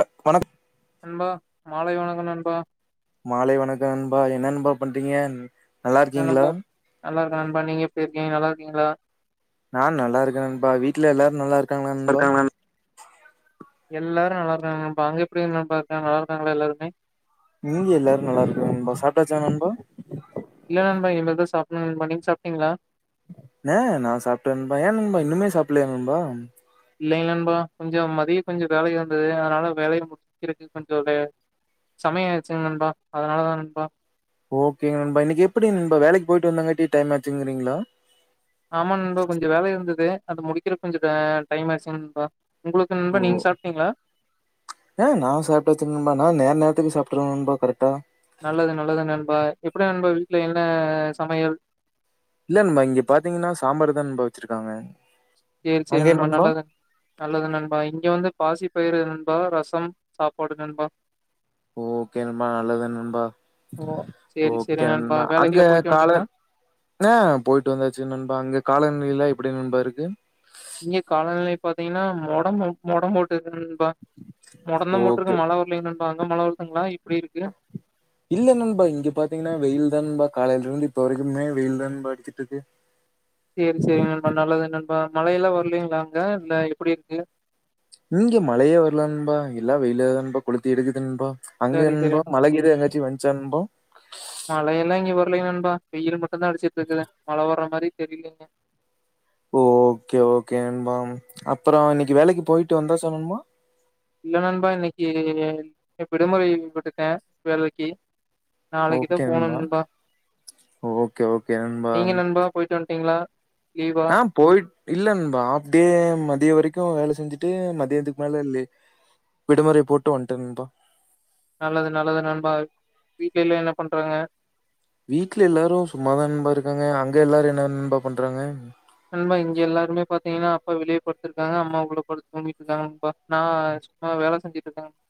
அ வணக் நண்பா மாலை வணக்கம் நண்பா மாலை வணக்கம் நண்பா என்ன நண்பா பன்றிங்க என்ன நண்பா நல்லா இருக்கே நண்பா நீங்க எப்டி இருக்கீங்க நல்லா இருக்கீங்களா நா நல்லா இருக்கே நண்பா வீட்ல எல்லாரோ நல்லா இருக்காங்களா நண்பா எல்லாரோ நல்ல தா இருக்காங்க நண்பா அங்க எப்டி இருக்காறாங்க நல்லா இருக்காங்கலா எல்லாருமே இங்கீயூ எல்லாரோ நல்லா இருக்கங்க நண்பா சாப்ட்டாச்சா நண்பா இல்ல நண்பா இனிமே சாப்பட்னோ நீங்க சாப்ட்டீங்களா நெ நா சாப்ட்டே நண்பா ஏ நண்பா இன்னுமே சாப்டலயா நண்பா இல்லைங் நண்பா கொஞ்சொ மதியோ கொஞ்சோ வேலய இருந்ததூ அதனால வேலயா முடி குறத்துக் கொஞ்சோ லே சமயோ இருன்சி நண்பா அதனால தா நண்பா ஓகே நண்பா இன்னிக்கி எப்டி நண்பா வேலைக்கு போயிட்டு வந்தாங்காட்டி டைம் ஆச்சுங்கிறீங்களா ஆமா நண்பா கொஞ்சோ வேல இருந்ததூ அத முடிக்கறக்கு கொஞ்சோ அ டைம் ஆயிடுச்சு நண்பா உங்களுக்கு நண்பா ஓ நீங்க சாப்ட்டீங்களா ஆ நா சாப்ட்டாச்சி நண்பா நா நேர் நேரத்துக்கு சாப்ட்ருவ நண்பா கரெக்டா நல்லது நல்லது நண்பா எப்டி நண்பா வீட்ல என்ன சமையல் இல்ல நண்பா இங்க பாத்தீங்கன்னா சாம்பார் தா நண்பா வச்சிருக்காங்க எ எம் சிலெ நண்பா நல்லதுதா நல்லது நண்பா இங்க வந்து பாசி பயிறு நண்பா ரசம் சாப்பாடு நண்பா ஓகே நண்பா நல்லது நண்பா ஓ! சரி, சரி ஓகே நண்பா அங்க வேலைக்கெல்லாம் போயிட்டு வந்ட்டீங்களா? காலைல் ஆ போயிட்டு வந்தாச்சி நண்பா அங்க காலநிலைல்லா எப்டி நண்பா இருக்கு இங்க காலநிலை பாத்தீங்கன்னா மொடோ மொடோ போட்டுருக்கு நண்பா மொடொந்தா ஓகே போட்டிருக்கூ மழை வர் ல்லை நண்பா அங்க மழ வருதுங்களா எப்டி இருக்கு இல்ல நண்பா இங்க பாத்தீங்கன்னா வெயில் தா நண்பா காலையில இருந்து இப்ப வரைக்குமே வெயில் தா நண்பா அடிச்சிட்டு இருக்கு சி எம் சில நண்பா நல்லது நண்பா மழையெல்லா வரலீங்களா அங்க இல்ல எப்டி இருக்கு இங்க மழையே வரல நண்பா எல்லா வெயிலா தா நண்பா கெளுத்தி எடுக்குது நண்பா அங்கே சரி, சரி. நண்பா மழகிலது எதனாச்சி வந்ச்சா நண்பா மழையெல்லா இங்கே வரலிங்க நண்பா வெயில் மட்டுந் தா அடிச்சிட்டு இருக்கு மழ வர்றா மாரி தெரிலிங்க ஓகே ஓகே நண்பா அப்புறோ இன்னிக்கு வேலைக்கு போயிட்டு வந்தாச்சா நண்பா இல்ல நண்பா இன்னிக்கி விடுமுறை விட்டுட்டோ வேலைக்கி நாளைக்கு தா போவ்ணோ நண்பா ஓகே ஓகே நண்பா நீங்க நண்பா போயிட்டு வந்ட்டீங்களா லீவா? நா போயி்ட் இல்ல நண்பா ஆப்டே மதியோ வரைக்கூ வேல செஞ்சுட்டு மதியத்துக்கு மேல லீவ் விடுமுறை போட்டு வன்டே நண்பா நல்லது நல்லது நண்பா வீட்ல எல்லா என்ன பண்றாங்க வீட்ல எல்லாரூ சும்மாதா நண்பா இருக்காங்க அங்க எல்லாரூ என்ன நண்பா பண்றாங்க நண்பா இங்க எல்லாருமே பாத்தீங்னா அப்பா வெளியே படுத்திருக்காங்க அம்மா உள்ள படுத்து தூங்கிட்டிருக்காங்க நண்பா நா சும்மா வேல செஞ்சிட்டு இருக்கே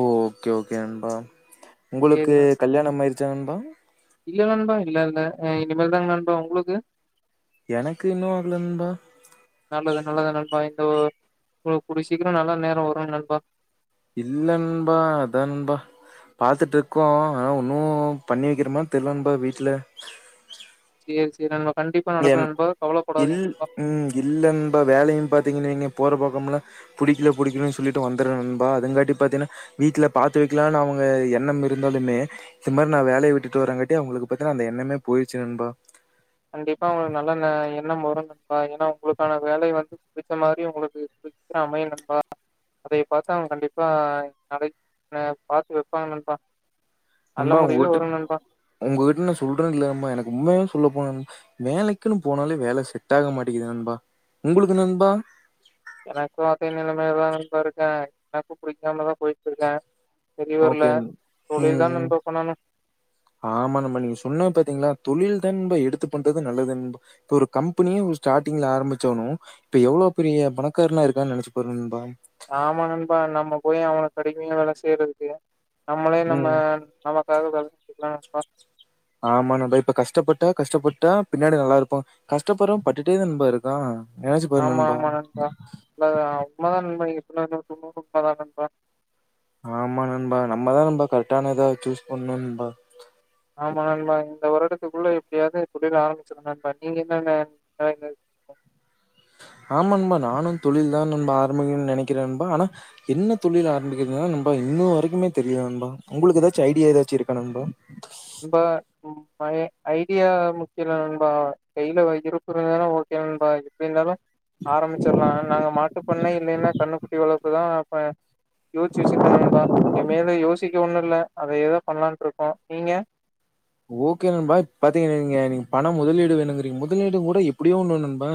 ஓ ஓகே ஓகே நண்பா சரி உங்களுக்கு நண் கல்யாணம் ஆயிருச்சா நண்பா இல்ல நண்பா இல்ல இல்ல அ இனிமேல்தா நண்பா உங்களுக்கு எனக்கு இன்னு ஆகல நண்பா நல்லது நல்லது நண்பா இந்த ஒரு குடிய சீக்கிரோ நல்ல நேரோ வரு நண்பா இல்ல நண்பா அதா நண்பா பாத்துட்டு இருக்கோ ஆனா ஒன்னு பண்ணி வெக்கிற மாரி தெரில நண்பா வீட்ல சேரி சேரி நண்பா கண்டிப்பா நடக்கு என் நண்பா இல் கவலப்படாதிங்க நண்பா ம் இல்ல நண்பா வேலையு பாத்திங்கன்னா வையிங்க போற பாக்கமெல்லா புடிக்கல புடிக்கலனு சொல்லிட்டு வந்துட்ற நண்பா அதுங்காட்டி பாத்தீங்னா வீட்ல பாத்து வெக்கலாம்னு அவங்க எண்ணம் இருந்தாலுமே இந்த மார் நா வேலைய விட்டு வரேங்காட்டி அவங்களுக்கு பாத்தினா அந்த எண்ணமே போயிருச்சி நண்பா கண்டிப்பா உங்களுக்கு நல்ல எண்ணம் வரும் நண்பா ஏன்னா உங்களுக்கான வேலை வந்து பிடிச்ச மாரி உங்களுக்கு சிக்கரு அமையு நண்பா அதைய பாத்து அவுங்க கண்டிப்பா அதைப் பாத்து வெப்பாங்க நண்பா நல்ல நண்பா முடிவே உங்கிட்டுக் வரும் நண்பா. உங்ககிட்ட நா சொல்றேல்ல நண்பா எனக்கு உண்மையா சொல்லப்போனா நண்பா வேலைக்குன்னு போனாலே வேல செட் ஆக மாட்டேங்கிது நண்பா உங்களுக்கு நண்பா எனக்கு அதே நெலைமையிலதா நண்பா இருக்கே எனக்கு புடிக்காமதா. போயிட்டு இருக்கே செரி வர்ல ஓகே. தொழில்தா ம். நம்பா பண்ணணு ஆமா நண்பா நீங்க சொன்னது பாத்தீங்ளா தொழில்தா நண்பா எடுத்து பண்றது நல்லது நண்பா இப்ப ஒரு கம்பெனியே ஒரு ஸ்டார்டிங்ல ஆரம்பிச்சோணு இப்ப எவ்ளோ பெரிய பணக்கார்னா இருக்கான்னு நெனைச்சி பாரு நண்பா ஆமா நண்பா நம்ம போய் அவனுக்கு அடிமையா வேல செய்யறதுக்கு நம்மளே நம்ம ம். நல்லா ஏதாது வேல செய்யலா நண்பா ஆமா நம்ம இப்ப கஷ்டப்பட்டா கஷ்டப்பட்டா பின்னாடி நல்லா இருப்போ கஷ்டப்பட்றவே பட்டுட்டே தா நண்பா இருக் அதா நெனச்சி பாரு நண்பா உண்மதா உண்மதா நண்பா நீங்க சொல்றது நூத்துக்குநூறு உண்மதா நண்பா ஆமா நண்பா நம்மதா நண்பா கரெக்டானதா சூஸ் பண்ணு நண்பா ஆமா நண்பா இந்த வருடத்துக்குள்ள எப்டியாவது தொழில ஆரம்பிச்சிருனு நண்பா நீங்க என்ன நண் நெனை ஆமா நண்பா நானு தொழில்தா நண்பா ஆரம்பிக்கனுன்னு நெனைக்கிறே நண்பா ஆனா என்ன தொழில் ஆரம்பிக்கிறதுதா நண்பா இன்ன வரைக்குமே தெரியல நண்பா உங்களுக்கு ஏதாச்சி ஐடியா ஏதாச்சி இருக்கா நண்பா நண்பா ம் பய ஐடியா முக்கியோ இல்ல நண்பா கையில வ இருக்குற நேரோ ஓகே நண்பா எப்படி இருந்தாலு ஆரம்மிச்சிருலா நாங்க மாட்டுப்பண்ணை இல்லைன்னா கண்ணுக்குட்டி வளப்பு தா இப்ப யோசிச்சி வெச்சிருக்கே நண்பா இனிமேலு யோசிக்க ஒன்னு இல்ல அதயேதா பண்ணலான் இருக்கோ நீங்க ஓகே நண்பா இப்பாத்தீங் நீங்க நீங் பணம் முதலீடு வேணுங்கறீங் முதலீடு கூட எப்புடியோ ஓன்னு வேணு நண்பா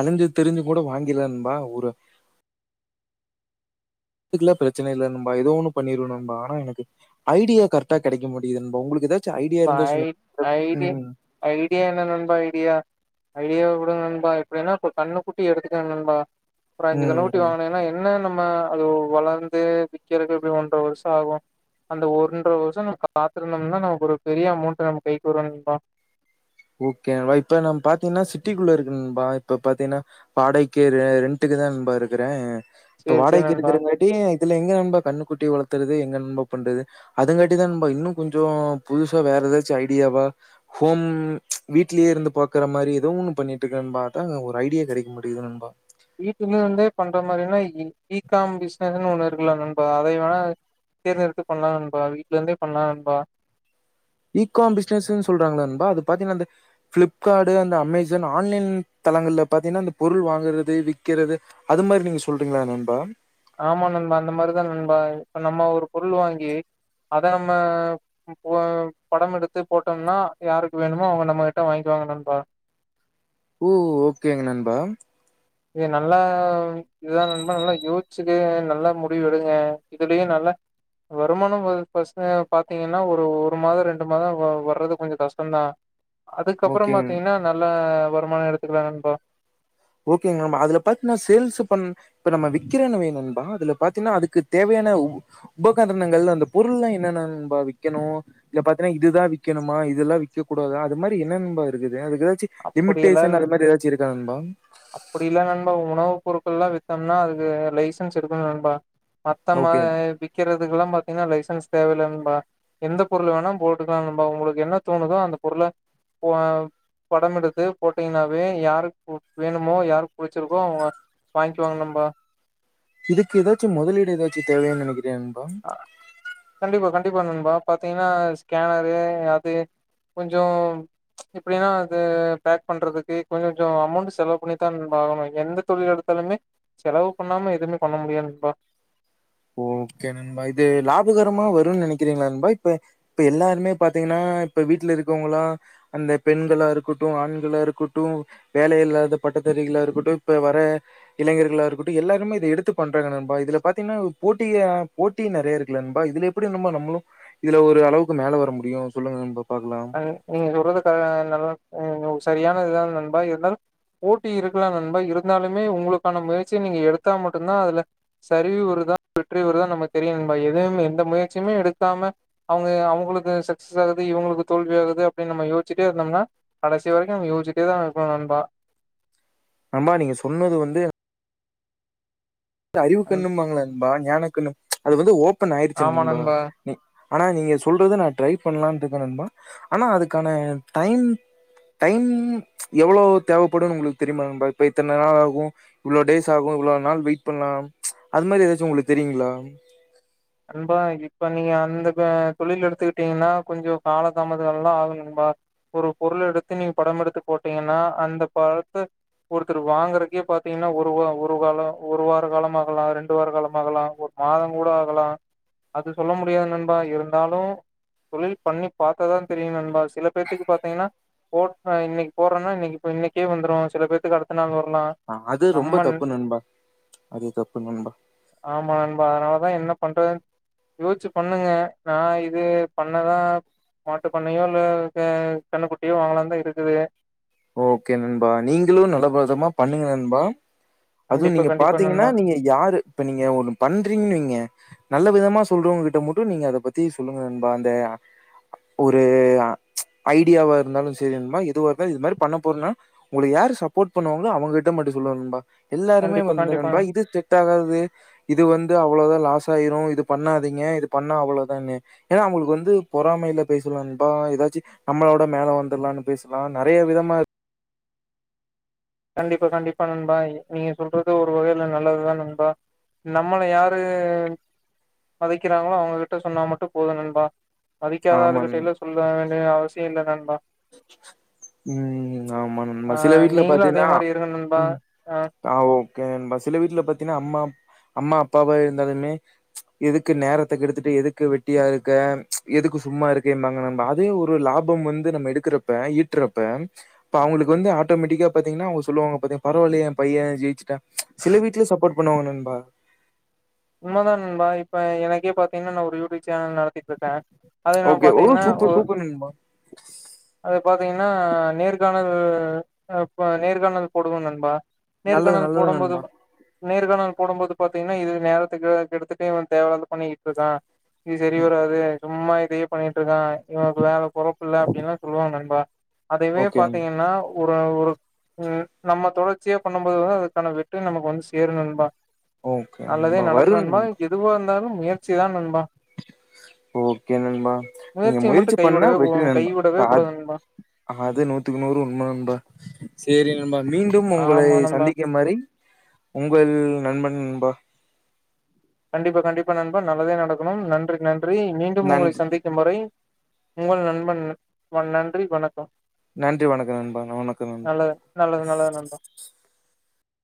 அலஞ்சி திரிஞ்சி கூட வாங்கில்லா நண்பா ஒரு அதுக்குல்லா பிரச்சன இல்ல நண்பா ஏதோ ஒன்னு பண்ணிருவே நண்பா ஆனா எனக்கு ஐடியா கரெக்டா கெடைக்க மாட்டிங்கிது நண்பா உங்களுக்கு ஏதா ச ஐடியா ப இருந்தா ஐ சொல்லு ஐடி ம் ஐடியா என்ன நண்பா ஐடியா ஐடியாவ உடுங்க நண்பா எப்டின்னா கன்னுக்குட்டி எடுத்துட்டே நண்பா ஒரு அஞ்சி ம். கண்ணுகுட்டி ம். வாங்குனேன்னா என்ன நம்ம அது வளர்ந்து விக்கிறதுக்கு எப்புடியு ஒன்றர வருஷோ ஆகு அந்த ஒன்ற வருஷோ நம்ம காத்திருந்தோம்ன்னா நமக்கு ஒரு பெரிய அமௌண்ட் நம்ம கைக்கு வருக்கா ஓகேவா இப்ப நம் பாத்தீங்ன்னா சிட்டிக்குள்ள இருக்கே நண்பா இப்ப பாத்தேன்னா வாடைக்கு ரெ ரெண்டுக்கு தா நண்பா இருக்றே இப்ப சேரி சேரி வாடைக்கு நண்பா இருக்றங்காட் அப்டியே இதுல எங்க நண்பா கன்னு குட்டி வளத்துறது எங்க நண்பா பண்றது அதுகாட்டிதா நண்பா இன்னு கொஞ்சோ புதுசா வேற ஏதாச்சு ஐடியாவா ஹோம் வீட்லயே இருந்து பாக்குற மாரி ஏதோ ஒன்னு பண்ணிட் இருக்கே நண்பா அதா ஒரு ஐடியா கெடைக்க மாட்டேங்குது நண்பா வீட்டுல இருந்தே பண்ற மாரின்னா ஈ ஈ காம் பிசினஸ்ன்னு ஒன்னு இருக்குலா நண்பா அதை வேணா தேர்ந்தெடுத்து பண்லா நண்பா வீட்ல இருந்தே பண்லா நண்பா ஈ காம் பிசினஸுன் சொல்றாங்ள நண்பா அது பாத்தீன்னா அந்த பிளிப்கார்டு அந்த அமேசான் ஆன்லைன் தளங்கள்ள பாத்தீன்னா அந்த பொருள் வாங்குறது விக்கிறது அது மாரி நீங்க சொல்றீங்ளா நண்பா ஆமா நண்பா அந்த மாரிதா நண்பா இப்ப நம்ம ஒரு பொருள் வாங்கி அத நம்ம போ படம் எடுத்து போட்டோம்ன்னா யார்க்கு வேணுமோ அவுங்க நம்மகிட்ட வாங்கிக்குவாங்க நண்பா ஓ ஓகேங்க நண்பா இது நல்லா இதுதா நண்பா நல்லா யோசிச்சுட்டு நல்ல முடிவு எடுங்க இதுலயு நல்ல வருமானம் அ பிரச்சன பாத்தீங்கன்னா ஒரு ஒரு மாதோ ரெண்டு மாதோ வ வரது கொஞ்சோ கஷ்டந்தா அதுக்கப்றோம் ஓகேங்க. பாத்தீங்கன்னா நல்ல வருமானோ எடுத்துக்கலா நண்பா ஓகேங்க நண்பா அதுல பாத்னா சேல்ஸ் பண் இப்ப நம்ம விக்கிறனவே நண்பா அதுல பாத்தீன்னா அதுக்கு தேவையான ஊ உபகரணங்கள் அந்த பொருள்ளா என்னென்ன நண்பா விக்கணு இல பாத்தீன்னா இதுதா விக்கணுமா இதெல்லா விக்க கூடாதா அது மாரி என்ன நண்பா இருக்குது அதுக்கு ஏதாச்சு லிமிட்டேஷன் அத மாரி ஏதாச்சு இருக்கா நண்பா அப்படி இல்ல நண்பா உணவு பொருட்கள்லா வித்தம்னா அதுக்கு லைசன்ஸ் எடுக்கணு நண்பா மத்த மா ஓகே விக்கிறதுக்குல்லா பாத்தீன்னா லைசன்ஸ் தேவ இல்ல நண்பா எந்த பொருள் வேணா போட்டுக்லா நண்பா உங்ளுக் என்ன தோணுதோ அந்த பொருள போ படம் எடுத்து போட்டிங்னாவே யாருக் போ வேணுமோ யாருக் பிடிச்சிருக்கோ அவுங்க வாங்க்வாங்க நண்பா இதுக்கு ஏதாச்சு முதலீடு ஏதாச்சு தேவையா நெனைக்கிறியா நண்பா கண்டிப்பா கண்டிப்பா நண்பா பாத்தீங்கன்னா ஸ்கேனரு அது கொஞ்சோ எப்டின்னா அது பேக் பண்றதுக்கு கொஞ்சோ அமௌண்ட் செலவு பண்ணிதா நண்பா ஆகணு எந்த தொழில் எடுத் தாலுமே செலவு பண்ணாம எதுவுமே பண்ண முடியாது நண்பா ஓகே நண்பா இது லாபகரமா வருன் நெனைக்கிறிங்ளா நண்பா இப்ப இப்ப எல்லாருமே பாத்தீங்கன்னா இப்ப வீட்ல இருக்கவங்கலா அந்த பெண்களா இருக்கட்டு ஆண்களா இருக்கட்டு வேலையில்லாத பட்டத்தாரிகளா இருக்கட்டு இப்ப வர இளைஞர்களா இருக்கட்டு எல்லாருமே இத எடுத்து பண்றாங்க நண்பா இதுல பாத்தீங்ன்னா போட்டிய போட்டி நெறைய இருக்குல்ல நண்பா இதுல எப்டி நம்ம நம்ளு இதுல ஒரு அளவுக்கு மேல வர முடியு சொல்லுங்க நண்பா பாக்கலா ம் நீங்க சொல்றது கரெ நல்ல ம் சரியான இதா நண்பா இருந்தாலு போட்டி இருக்கலா நண்பா இருந்தாலுமே உங்களுக்கான முயற்சிய நீங்க எடுத்தா மட்டுந்தா அதுல சரிவு வருதா வெற்றி வருதா நமக்கு தெரியு நண்பா எதும் எந்த முயற்சியுமே எடுக்காம அவுங்க அவுங்களுக்கு சக்சஸ் ஆகுது இவுங்களுக்கு தோல்வி ஆகுது அப்டின் நம்ம யோச்சிட்டே இருந்தோம்னா கடைசி வரைக்கோ நம்ம யோசிச்சிட்டேதா இருக்கணு நண்பா ஆமா நீங்க சொன்னது வந்து அறிவு கண்ணும்பாங்கள நண்பா ஞான கண்ணு அது வந்து ஓப்பன் ஆயிடுச்சு நண்பா ஆனா நீங்க சொல்றது நா ட்ரை பண்ணலான் இருக்கே நண்பா ஆனா அதுக்கான டைம் டைம்ங் எவ்ளவு தேவப்படும்னு உங்களுக்கு தெரியுமா நண்பா இப்ப இத்தன நாள் ஆகு இவ்ளோ டேஸ் ஆகு இவ்ளோ நாள் வெய்ட் பண்ணலா அது மாரி ஏதாச்சு உங்களுக்கு தெரியுங்களா நன்பா இப்ப நீங்க அந்த அ தொழில் எடுத்துக்கிட்டீங்கன்னா கொஞ்சோ கால தாமதோ எல்லா ஆகு நண்பா ஒரு பொருள் எடுத்து நீங்க படம் எடுத்து போட்டீங்கன்னா அந்த படத்த ஒருத்தர் வாங்குறக்கே பாத்தீங்கன்னா ஒரு ஒரு காலம் ஒரு வார காலம் ஆகலா ரெண்டு வார காலமாகலா ஒரு மாதோ கூட ஆகலா அது சொல்ல முடியாது நண்பா இருந்தாலு தொழில் பண்ணி பாத்தாதா தெரியு நண்பா சில பேத்துக்கு பாத்தீங்கன்னா போட் இன்னைக்கு போட்றேன்னா இன்னைக்கு இ இன்னைக்கே வந்துரு சில பேத்துக்கு அடுத்த நாள் வரலா ஆ அது ரொம்ப நம்ம தப்பு நண்பா அது தப்பு நண்பா ஆமா நண்பா அதனாலதா என்ன பண்றது யோசிச்சு பண்ணுங்க நா இது பண்ணதா மாட்டுப்பண்ணையோ இல்ல கண்ணு குட்டியோ வாங்கலான் தா இருக்குது ஓகே நண்பா நீங்களு நல்ல பிரதமா பண்ணுங்க நண்பா அதுவு கண்டிப்பா நீங்க கண்டிப்பா பாத்தீங்கன்னா நண்பா நீங்க யாரு இப்ப நீங்க ஒண்ணு பண்றீங்கன்னு வைங்க நல்ல விதமா சொல்றவங்க கிட்ட மட்டு நீங்க அத பத்தி சொல்லுங்க நண்பா அந்த ஒரு ஐடியாவாருந்தாலு சேரிமா எதுவாருந்தாலு இது மாரி பண்ண போறனா உங்க யார் சப்போர்ட் பண்ணுவாங்களோ அவுங்க கிட்ட மட்டு சொல்லுங்க நண்பா எல்லாருமே கண்டிப்பா வந்து கண்டிப்பா நண்பா இது செக்ட் ஆகாது இது வந்து அவ்ளவுதா லாஸ் ஆயிரு இது பண்ணாதீங்க இது பண்ணா அவ்ளோ தானு ஏன்னா அவுங்களுக்கு வந்து பொறாமைல பேசலா நண்பா ஏதாச்சு நம்மள விட மேல வந்துடலான்னு பேசலா நறைய விதமாருக் கண்டிப்பா கண்டிப்பா நண்பா நீங்க சொல்றது ஒரு வகைல நல்லதுதா நண்பா நம்மள யாரு வதைக்கிறாங்களோ அவுங்ககிட்ட சொன்னா மட்டு போது நண்பா மதிக்காத ஆள் ஆமா நண் கிட்ட எல்லா சொல்ல வேண்டிய அவசியோ இல்ல நண்பா ம் ஆமா நண்பா ஆ சில வீட்ல நீங்களு அதே பாத்தீன்னா மாரி இருங்க நண்பா ம் ஆ ஓகே நண்பா சில வீட்ல பாத்தீங்கன்னா அம்மா அம்மா அப்பாவா இருந்தாலுமே எதுக்கு நேரத்த கெடுத்துட்டு எதுக்கு வெட்டியா இருக்க எதுக்கு சும்மா இருக்க என்பாங்க ந அதே ஒரு லாப பம் வந்து நம்ம எடுக்கறப்ப ஈட்றப்ப இப்ப அவுங்க வந்து ஆட்டோமேட்டிக்கா பாத்தீங்கன்னா அவுங்க சொல்லுவாங்க பாத்தீங்க பரவாலயெ எ பைய ஜெயிச்சிட்டா சில வீட்ல சப்போர்ட் பண்ணுவாங்க நண்பா உண்மதா நண்பா இப்ப எனக்கே பாத்தீங்கன்னா நா ஒரு யூ டியூப் சேனல் நடத்த ஓகே ஒ சூப்பர் சூப்பர் நண்பா அது பாத்தீங்கன்னா நேர்காணல் நேர்காணல் போடுவோ நண்பா நல்லது நேர்காணல் நல்லது போடும்போது நண்பா நேர்காணல் போடும்போது பாத்தீங்கன்னா இது நேரத்துக்கு கெடுத்துட்ட இவ தேவல்லாது பண்ணிட்ருக்கா இது செரி வராது சும்மா இதயே பண்ணிட்ருக்கா இவனுக்கெல்லா வேல பொழப்பு இல்ல அப்டின்னுல்லா சொல்லுவாங்க நண்பா அதய்வே ஓகே நண்பா பாத்தீங்கன்னா ஒரு ஒரு ம் நம்ம தொடர்ச்சியா பண்ணு போது வந்து அதுக்கான வெற்றி நமக்கு வந்து சேரு நண்பா ஓகே நம்ம வரும் எதுவாருந்தாலும் முயற்சி தா நண்பா ஓகே நண்பா நீங்க முயற்சிய மட்டு முயற்சி பண்ணா கைவிடவே வெற்றி கூ- நண்பா கைவிடவே காது கூடாது நண்பா அது நூத்துக்கு நூறு உண்ம நண்பா சேரி நண்பா மீண்டும் ஒங்களை ஆமா நண்பா சந்திக்கும் வரை உங்கள் நண்பன் பா கண்டிப்பா கண்டிப்பா நண்பன் நல்லதே நடக்கணும் நன்றி நன்றி மீண்டும் ஒங்களை நன்றி சந்திக் கும் வரை உங்கள் நண்பன் வ நன்றி வணக்கம் நன்றி வணக்கம் நண்பா வணக்கம் நண்பா நல்லது நல்லது நல்லாரு நண்பா